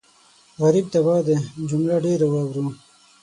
غريب تباه دی جمله ډېره اورو